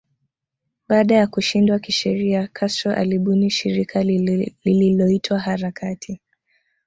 Baada ya kushindwa kisheria Castro alibuni shirika lililoitwa harakati